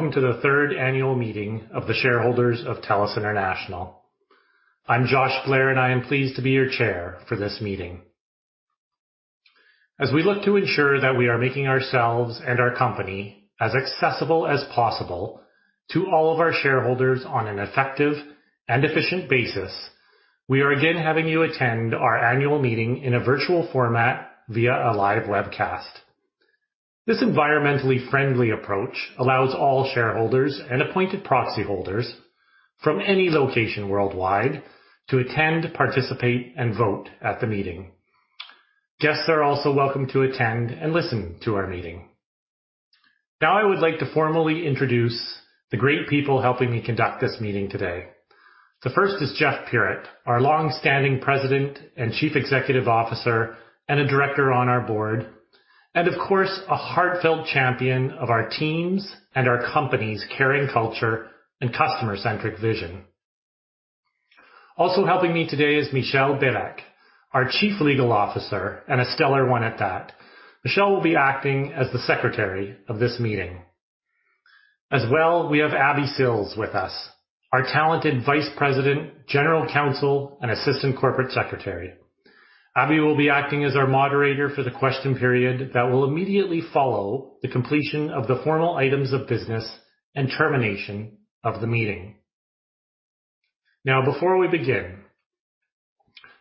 Welcome to the third annual meeting of the shareholders of TELUS International. I'm Josh Blair, and I am pleased to be your Chair for this meeting. As we look to ensure that we are making ourselves and our company as accessible as possible to all of our shareholders on an effective and efficient basis, we are again having you attend our annual meeting in a virtual format via a live webcast. This environmentally friendly approach allows all shareholders and appointed proxy holders from any location worldwide to attend, participate and vote at the meeting. Guests are also welcome to attend and listen to our meeting. Now, I would like to formally introduce the great people helping me conduct this meeting today. The first is Jeff Puritt, our long-standing President and Chief Executive Officer and a Director on our board, and of course, a heartfelt champion of our teams and our company's caring culture and customer-centric vision. Helping me today is Michel Belec, our Chief Legal Officer, and a stellar one at that. Michel will be acting as the secretary of this meeting. We have Abby Sills with us, our talented Vice President, General Counsel and Assistant Corporate Secretary. Abby will be acting as our moderator for the question period that will immediately follow the completion of the formal items of business and termination of the meeting. Before we begin,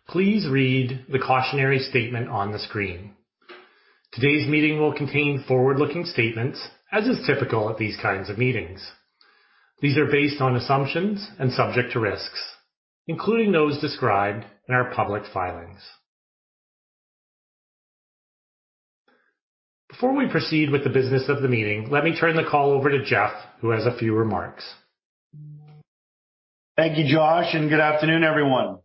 please read the cautionary statement on the screen. Today's meeting will contain forward-looking statements, as is typical at these kinds of meetings. These are based on assumptions and subject to risks, including those described in our public filings. Before we proceed with the business of the meeting, let me turn the call over to Jeff, who has a few remarks. Thank you, Josh, and good afternoon, everyone.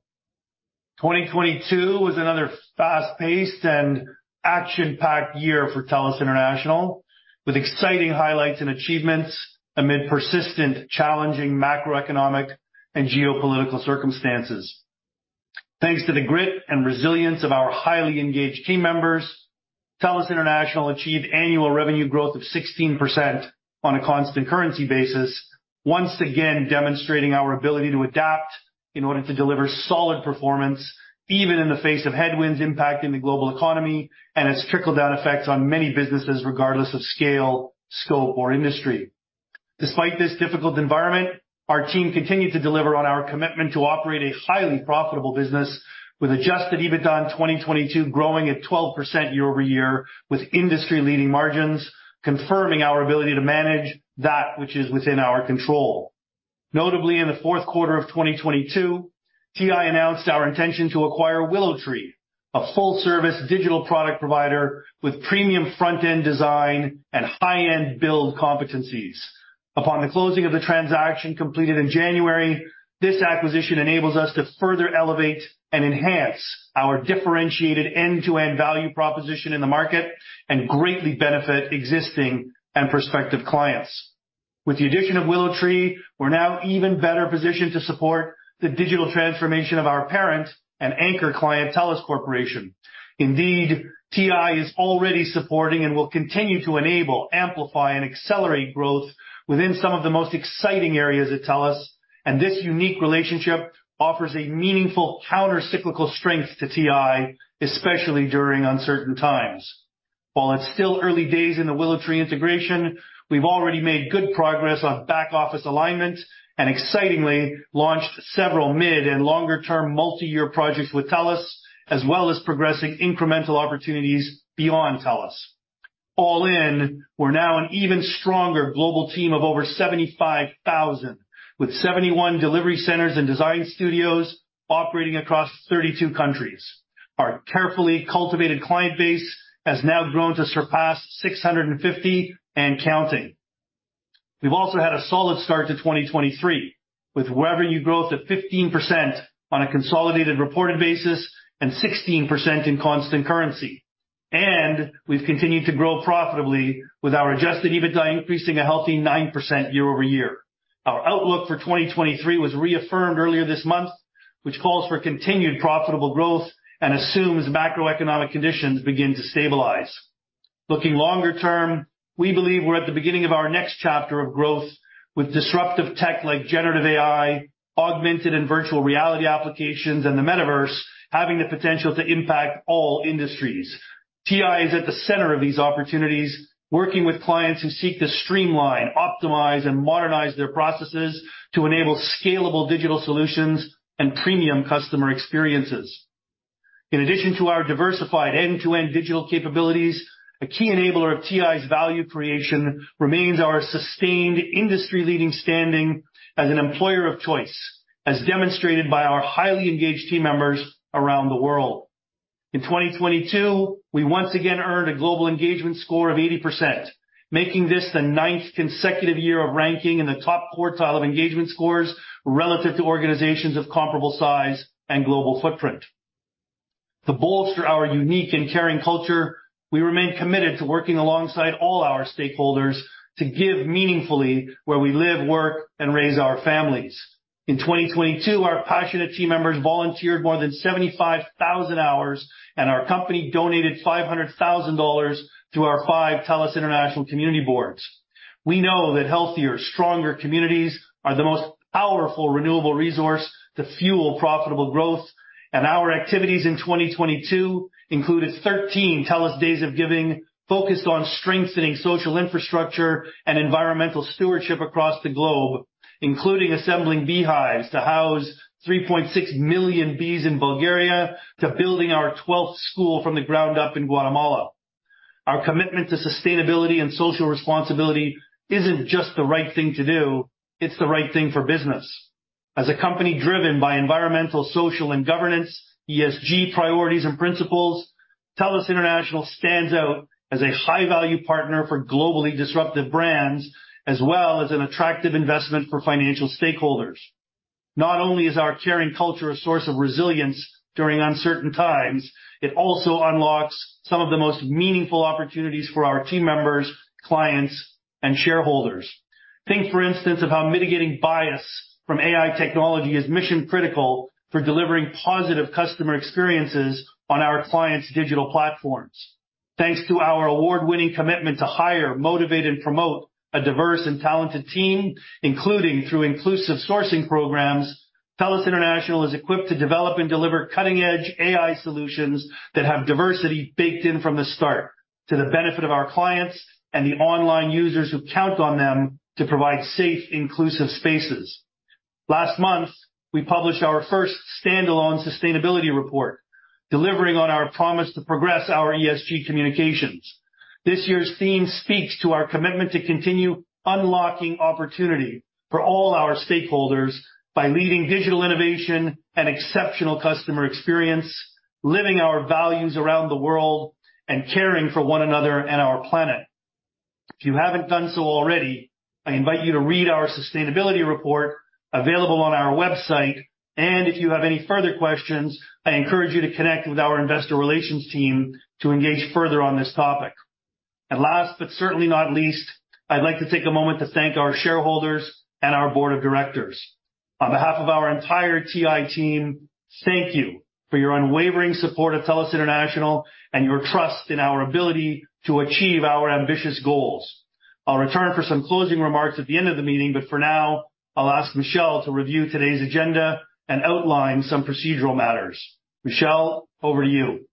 2022 was another fast-paced and action-packed year for TELUS International, with exciting highlights and achievements amid persistent, challenging macroeconomic and geopolitical circumstances. Thanks to the grit and resilience of our highly engaged team members, TELUS International achieved annual revenue growth of 16% on a constant currency basis, once again demonstrating our ability to adapt in order to deliver solid performance even in the face of headwinds impacting the global economy and its trickle-down effects on many businesses, regardless of scale, scope or industry. Despite this difficult environment, our team continued to deliver on our commitment to operate a highly profitable business with adjusted EBITDA in 2022, growing at 12% year-over-year, with industry-leading margins, confirming our ability to manage that which is within our control. Notably, in the fourth quarter of 2022, TI announced our intention to acquire WillowTree, a full-service digital product provider with premium front-end design and high-end build competencies. Upon the closing of the transaction completed in January, this acquisition enables us to further elevate and enhance our differentiated end-to-end value proposition in the market and greatly benefit existing and prospective clients. With the addition of WillowTree, we're now even better positioned to support the digital transformation of our parent and anchor client, TELUS Corporation. Indeed, TI is already supporting and will continue to enable, amplify, and accelerate growth within some of the most exciting areas at TELUS. This unique relationship offers a meaningful counter-cyclical strength to TI, especially during uncertain times. While it's still early days in the WillowTree integration, we've already made good progress on back-office alignment and excitingly launched several mid- and longer-term multi-year projects with TELUS, as well as progressing incremental opportunities beyond TELUS. All in, we're now an even stronger global team of over 75,000, with 71 delivery centers and design studios operating across 32 countries. Our carefully cultivated client base has now grown to surpass 650 and counting. We've also had a solid start to 2023, with revenue growth of 15% on a consolidated reported basis and 16% in constant currency. We've continued to grow profitably with our adjusted EBITDA, increasing a healthy 9% year-over-year. Our outlook for 2023 was reaffirmed earlier this month, which calls for continued profitable growth and assumes macroeconomic conditions begin to stabilize. Looking longer term, we believe we're at the beginning of our next chapter of growth with disruptive tech like generative AI, augmented and virtual reality applications, and the metaverse having the potential to impact all industries. TI is at the center of these opportunities, working with clients who seek to streamline, optimize, and modernize their processes to enable scalable digital solutions and premium customer experiences. In addition to our diversified end-to-end digital capabilities, a key enabler of TI's value creation remains our sustained industry-leading standing as an employer of choice, as demonstrated by our highly engaged team members around the world. In 2022, we once again earned a global engagement score of 80%, making this the ninth consecutive year of ranking in the top quartile of engagement scores relative to organizations of comparable size and global footprint. To bolster our unique and caring culture, we remain committed to working alongside all our stakeholders to give meaningfully where we live, work, and raise our families. In 2022, our passionate team members volunteered more than 75,000 hours, and our company donated $500,000 to our five TELUS International Community Boards. We know that healthier, stronger communities are the most powerful, renewable resource to fuel profitable growth. Our activities in 2022 included 13 TELUS Days of Giving, focused on strengthening social infrastructure and environmental stewardship across the globe, including assembling beehives to house 3.6 million bees in Bulgaria to building our 12th school from the ground up in Guatemala. Our commitment to sustainability and social responsibility isn't just the right thing to do, it's the right thing for business. As a company driven by environmental, social, and governance, ESG priorities and principles, TELUS International stands out as a high-value partner for globally disruptive brands as well as an attractive investment for financial stakeholders. Not only is our caring culture a source of resilience during uncertain times, it also unlocks some of the most meaningful opportunities for our team members, clients, and shareholders. Think, for instance, of how mitigating bias from AI technology is mission-critical for delivering positive customer experiences on our clients' digital platforms. Thanks to our award-winning commitment to hire, motivate, and promote a diverse and talented team, including through inclusive sourcing programs, TELUS International is equipped to develop and deliver cutting-edge AI solutions that have diversity baked in from the start to the benefit of our clients and the online users who count on them to provide safe, inclusive spaces. Last month, we published our first standalone sustainability report, delivering on our promise to progress our ESG communications. This year's theme speaks to our commitment to continue unlocking opportunity for all our stakeholders by leading digital innovation and exceptional customer experience, living our values around the world, and caring for one another and our planet. If you haven't done so already, I invite you to read our sustainability report available on our website. If you have any further questions, I encourage you to connect with our investor relations team to engage further on this topic. Last, but certainly not least, I'd like to take a moment to thank our shareholders and our board of directors. On behalf of our entire TI team, thank you for your unwavering support of TELUS International and your trust in our ability to achieve our ambitious goals. I'll return for some closing remarks at the end of the meeting. For now, I'll ask Michel to review today's agenda and outline some procedural matters. Michel, over to you.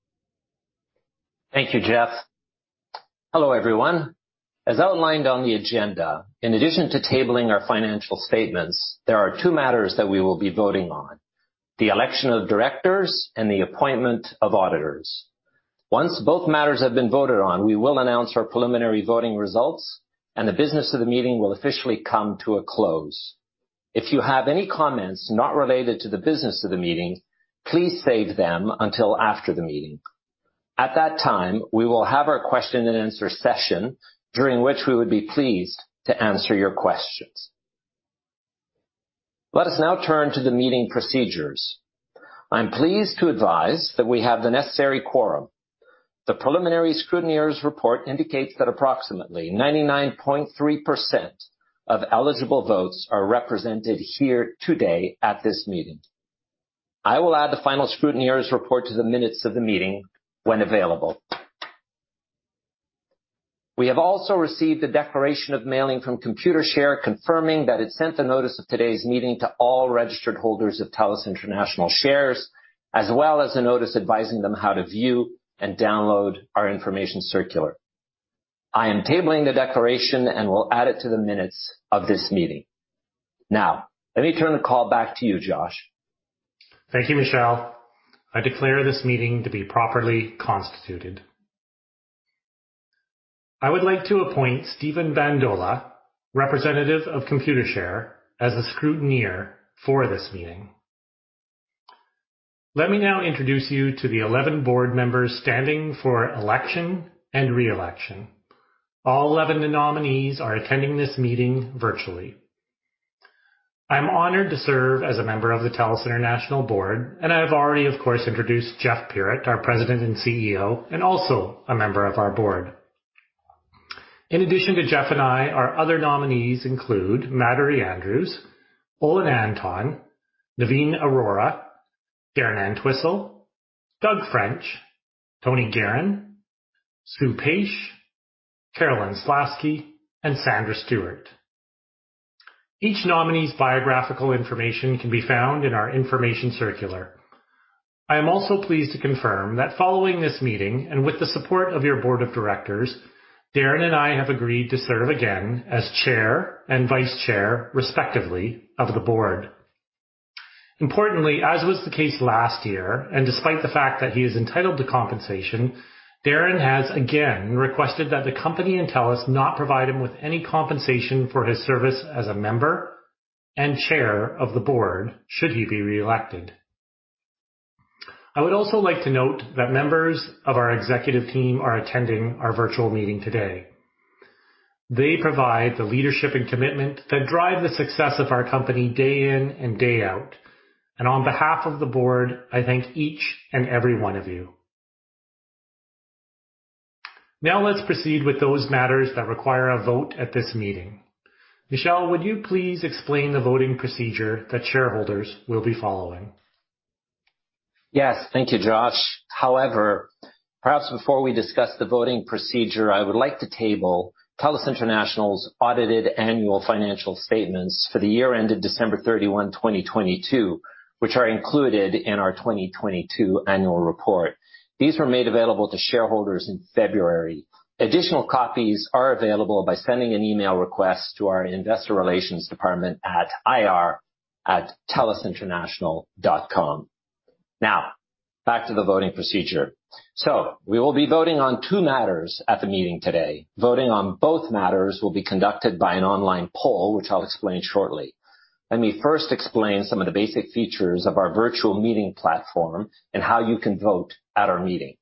Thank you, Jeff. Hello, everyone. As outlined on the agenda, in addition to tabling our financial statements, there are two matters that we will be voting on, the election of directors and the appointment of auditors. Once both matters have been voted on, we will announce our preliminary voting results, and the business of the meeting will officially come to a close. If you have any comments not related to the business of the meeting, please save them until after the meeting. At that time, we will have our question and answer session, during which we would be pleased to answer your questions. Let us now turn to the meeting procedures. I'm pleased to advise that we have the necessary quorum. The preliminary scrutineer's report indicates that approximately 99.3% of eligible votes are represented here today at this meeting. I will add the final scrutineer's report to the minutes of the meeting when available. We have also received a declaration of mailing from Computershare, confirming that it sent a notice of today's meeting to all registered holders of TELUS International shares, as well as a notice advising them how to view and download our information circular. I am tabling the declaration and will add it to the minutes of this meeting. Now, let me turn the call back to you, Josh. Thank you, Michel. I declare this meeting to be properly constituted. I would like to appoint Steven Bandola, representative of Computershare, as the scrutineer for this meeting. Let me now introduce you to the 11 board members standing for election and re-election. All 11 nominees are attending this meeting virtually. I'm honored to serve as a member of the TELUS International Board, and I have already, of course, introduced Jeff Puritt, our President and CEO, and also a member of our board. In addition to Jeff and I, our other nominees include Madhuri Andrews, Olin Anton, Navin Arora, Darren Entwistle, Doug French, Tony Geheran, Sue Paish, Carolyn Slaski, and Sandra Stuart. Each nominee's biographical information can be found in our information circular. I am also pleased to confirm that following this meeting, and with the support of your board of directors, Darren and I have agreed to serve again as chair and vice chair, respectively, of the board. Importantly, as was the case last year, and despite the fact that he is entitled to compensation, Darren has again requested that the company and TELUS not provide him with any compensation for his service as a member and chair of the board should he be reelected. I would also like to note that members of our executive team are attending our virtual meeting today. They provide the leadership and commitment that drive the success of our company day in and day out. On behalf of the board, I thank each and every one of you. Now let's proceed with those matters that require a vote at this meeting. Michel, would you please explain the voting procedure that shareholders will be following? Yes, thank you, Josh. However, perhaps before we discuss the voting procedure, I would like to table TELUS International's audited annual financial statements for the year ended December 31, 2022, which are included in our 2022 annual report. These were made available to shareholders in February. Additional copies are available by sending an email request to our investor relations department at ir@telusinternational.com. Back to the voting procedure. We will be voting on two matters at the meeting today. Voting on both matters will be conducted by an online poll, which I'll explain shortly. Let me first explain some of the basic features of our virtual meeting platform and how you can vote at our meeting.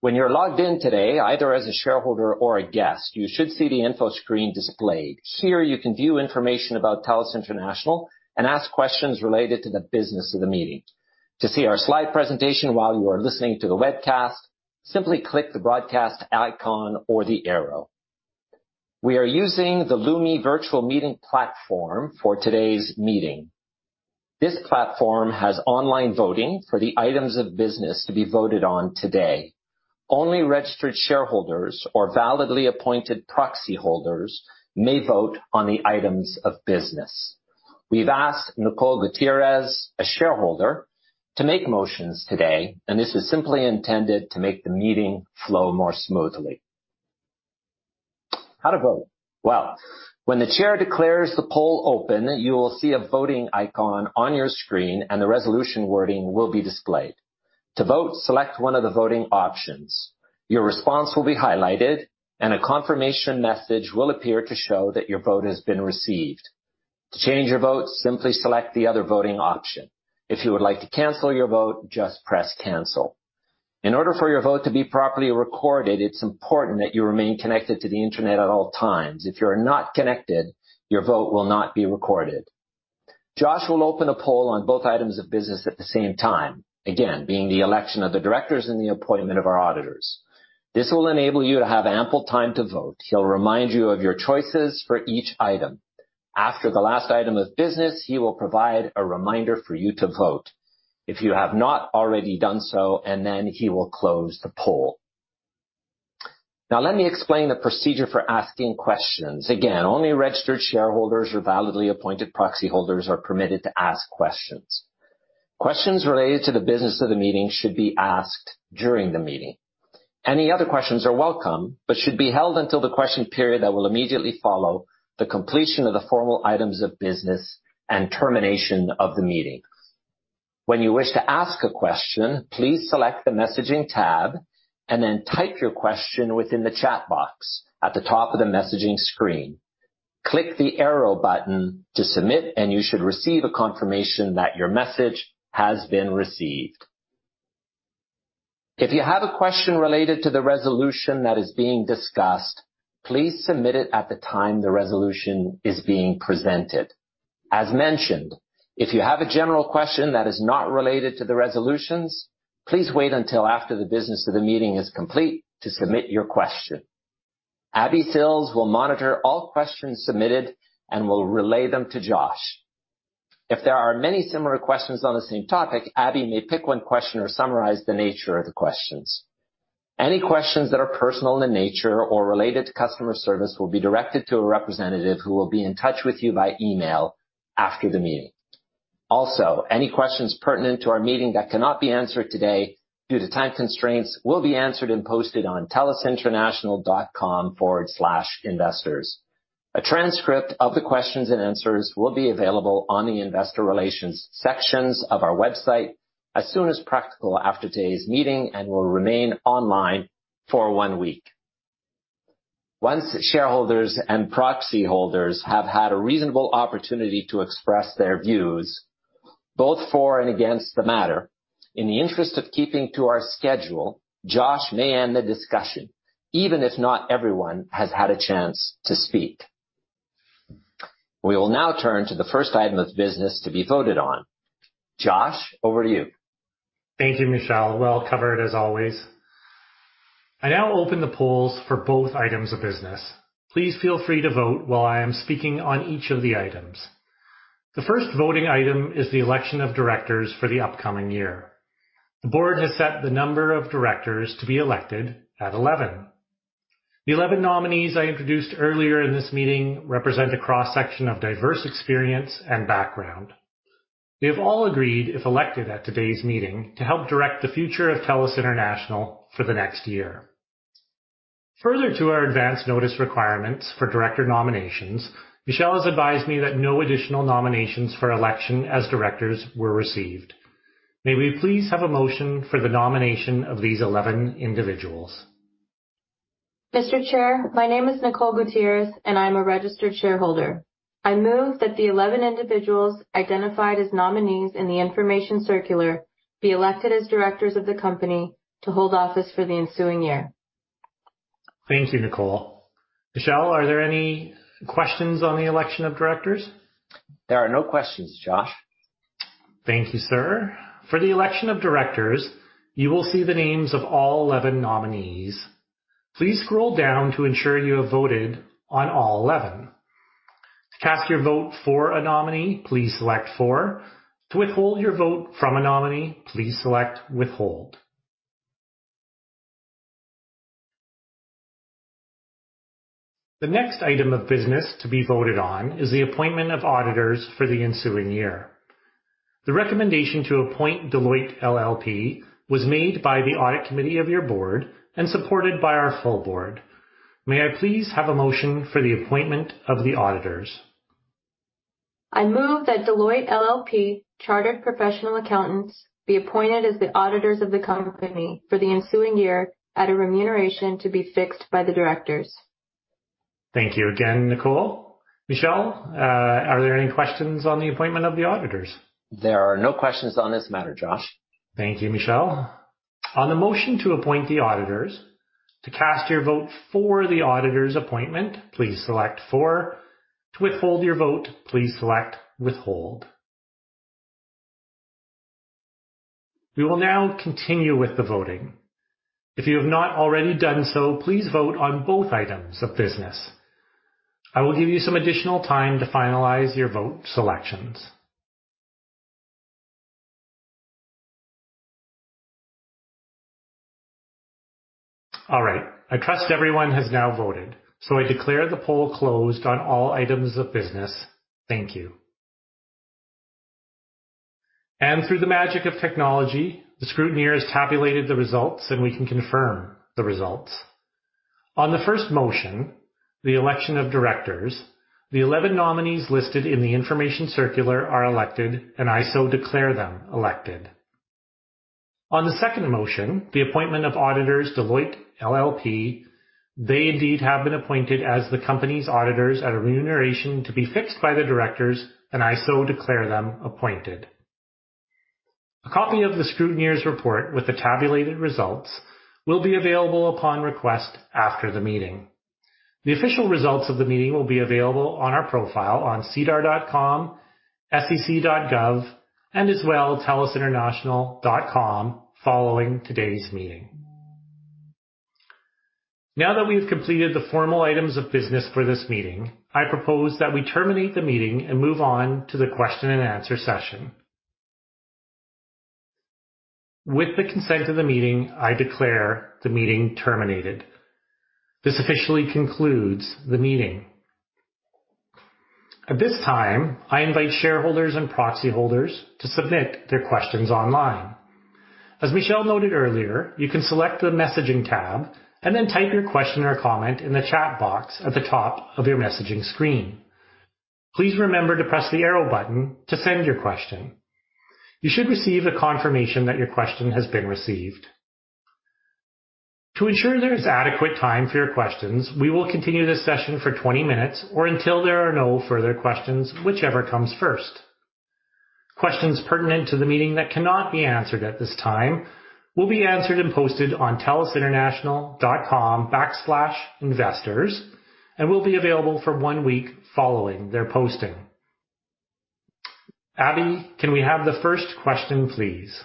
When you're logged in today, either as a shareholder or a guest, you should see the info screen displayed. Here, you can view information about TELUS International and ask questions related to the business of the meeting. To see our slide presentation while you are listening to the webcast, simply click the broadcast icon or the arrow. We are using the Lumi virtual meeting platform for today's meeting. This platform has online voting for the items of business to be voted on today. Only registered shareholders or validly appointed proxy holders may vote on the items of business. We've asked Nicole Gutierrez, a shareholder, to make motions today, and this is simply intended to make the meeting flow more smoothly. How to vote? Well, when the chair declares the poll open, you will see a voting icon on your screen, and the resolution wording will be displayed. To vote, select one of the voting options. Your response will be highlighted, and a confirmation message will appear to show that your vote has been received. To change your vote, simply select the other voting option. If you would like to cancel your vote, just press "Cancel". In order for your vote to be properly recorded, it's important that you remain connected to the internet at all times. If you're not connected, your vote will not be recorded. Josh will open a poll on both items of business at the same time. Again, being the election of the directors and the appointment of our auditors. This will enable you to have ample time to vote. He'll remind you of your choices for each item. After the last item of business, he will provide a reminder for you to vote if you have not already done so, and then he will close the poll. Let me explain the procedure for asking questions. Again, only registered shareholders or validly appointed proxy holders are permitted to ask questions. Questions related to the business of the meeting should be asked during the meeting. Any other questions are welcome but should be held until the question period that will immediately follow the completion of the formal items of business and termination of the meeting. When you wish to ask a question, please select the Messaging tab and then type your question within the chat box at the top of the Messaging screen. Click the arrow button to submit, and you should receive a confirmation that your message has been received. If you have a question related to the resolution that is being discussed, please submit it at the time the resolution is being presented. As mentioned, if you have a general question that is not related to the resolutions, please wait until after the business of the meeting is complete to submit your question. Abby Sills will monitor all questions submitted and will relay them to Josh. If there are many similar questions on the same topic, Abby may pick one question or summarize the nature of the questions. Any questions that are personal in nature or related to customer service will be directed to a representative who will be in touch with you by email after the meeting. Any questions pertinent to our meeting that cannot be answered today due to time constraints will be answered and posted on telusinternational.com/investors. A transcript of the questions and answers will be available on the investor relations sections of our website as soon as practical after today's meeting and will remain online for one week. Once shareholders and proxy holders have had a reasonable opportunity to express their views both for and against the matter, in the interest of keeping to our schedule, Josh may end the discussion, even if not everyone has had a chance to speak. We will now turn to the first item of business to be voted on. Josh, over to you. Thank you, Michel. Well covered as always. I now open the polls for both items of business. Please feel free to vote while I am speaking on each of the items. The first voting item is the election of directors for the upcoming year. The board has set the number of directors to be elected at 11. The 11 nominees I introduced earlier in this meeting represent a cross-section of diverse experience and background. They have all agreed, if elected at today's meeting, to help direct the future of TELUS International for the next year. Further to our advance notice requirements for director nominations, Michel has advised me that no additional nominations for election as directors were received. May we please have a motion for the nomination of these 11 individuals. Mr. Chair, my name is Nicole Gutierrez, I'm a registered shareholder. I move that the 11 individuals identified as nominees in the information circular be elected as directors of the company to hold office for the ensuing year. Thank you, Nicole. Michel, are there any questions on the election of directors? There are no questions, Josh. Thank you, sir. For the election of directors, you will see the names of all 11 nominees. Please scroll down to ensure you have voted on all 11. To cast your vote for a nominee, please select "For". To withhold your vote from a nominee, please select "Withhold". The next item of business to be voted on is the appointment of auditors for the ensuing year. The recommendation to appoint Deloitte LLP was made by the audit committee of your board and supported by our full board. May I please have a motion for the appointment of the auditors. I move that Deloitte LLP Chartered Professional Accountants be appointed as the auditors of the company for the ensuing year at a remuneration to be fixed by the directors. Thank you again, Nicole. Michel, are there any questions on the appointment of the auditors? There are no questions on this matter, Josh. Thank you, Michel. On the motion to appoint the auditors, to cast your vote for the auditors appointment, please select "For". To withhold your vote, please select "Withhold". We will now continue with the voting. If you have not already done so, please vote on both items of business. I will give you some additional time to finalize your vote selections. All right, I trust everyone has now voted, so I declare the poll closed on all items of business. Thank you. Through the magic of technology, the scrutineer has tabulated the results, and we can confirm the results. On the first motion, the election of directors, the eleven nominees listed in the information circular are elected, and I so declare them elected. On the second motion, the appointment of auditors, Deloitte LLP, they indeed have been appointed as the company's auditors at a remuneration to be fixed by the directors. I so declare them appointed. A copy of the scrutineer's report with the tabulated results will be available upon request after the meeting. The official results of the meeting will be available on our profile on sedar.com, sec.gov, telusinternational.com following today's meeting. Now that we've completed the formal items of business for this meeting, I propose that we terminate the meeting and move on to the question-and-answer session. With the consent of the meeting, I declare the meeting terminated. This officially concludes the meeting. At this time, I invite shareholders and proxy holders to submit their questions online. As Michel noted earlier, you can select the Messaging tab and then type your question or comment in the chat box at the top of your messaging screen. Please remember to press the arrow button to send your question. You should receive a confirmation that your question has been received. To ensure there is adequate time for your questions, we will continue this session for 20 minutes or until there are no further questions, whichever comes first. Questions pertinent to the meeting that cannot be answered at this time will be answered and posted on telusinternational.com/investors, and will be available for one week following their posting. Abby, can we have the first question, please?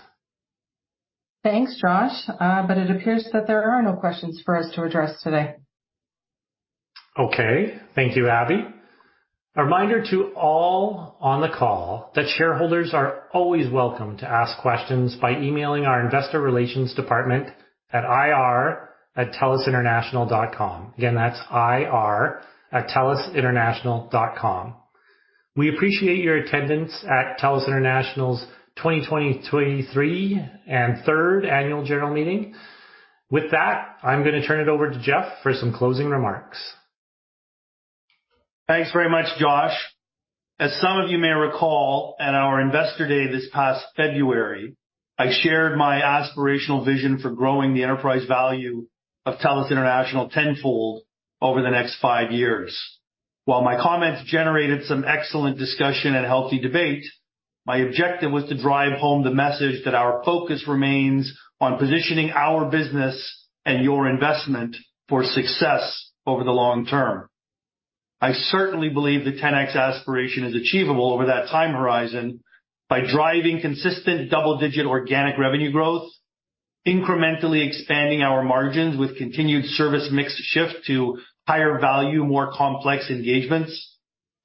Thanks, Josh. It appears that there are no questions for us to address today. Thank you, Abby. A reminder to all on the call that shareholders are always welcome to ask questions by emailing our investor relations department at ir@telusinternational.com. Again, that's ir@telusinternational.com. We appreciate your attendance at TELUS International's 2023 and third annual general meeting. With that, I'm gonna turn it over to Jeff for some closing remarks. Thanks very much, Josh. As some of you may recall, at our investor day this past February, I shared my aspirational vision for growing the enterprise value of TELUS International tenfold over the next five years. While my comments generated some excellent discussion and healthy debate, my objective was to drive home the message that our focus remains on positioning our business and your investment for success over the long term. I certainly believe the 10x aspiration is achievable over that time horizon by driving consistent double-digit organic revenue growth, incrementally expanding our margins with continued service mix shift to higher value, more complex engagements,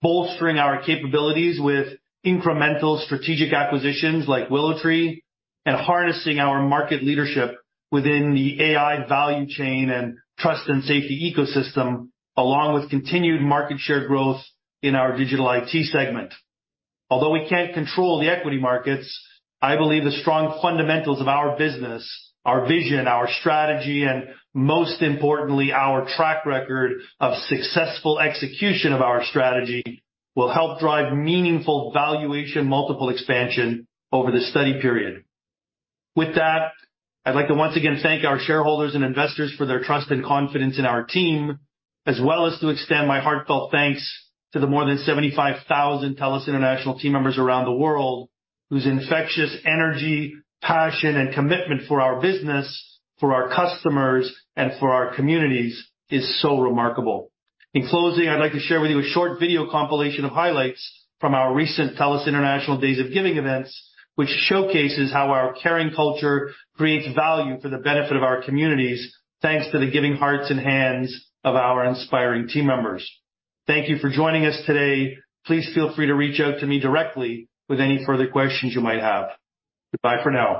bolstering our capabilities with incremental strategic acquisitions like WillowTree, and harnessing our market leadership within the AI value chain and trust and safety ecosystem, along with continued market share growth in our digital IT segment. Although we can't control the equity markets, I believe the strong fundamentals of our business, our vision, our strategy, and most importantly, our track record of successful execution of our strategy, will help drive meaningful valuation multiple expansion over the study period. With that, I'd like to once again thank our shareholders and investors for their trust and confidence in our team, as well as to extend my heartfelt thanks to the more than 75,000 TELUS International team members around the world whose infectious energy, passion, and commitment for our business, for our customers, and for our communities is so remarkable. In closing, I'd like to share with you a short video compilation of highlights from our recent TELUS International Days of Giving events, which showcases how our caring culture creates value for the benefit of our communities, thanks to the giving hearts and hands of our inspiring team members. Thank you for joining us today. Please feel free to reach out to me directly with any further questions you might have. Goodbye for now.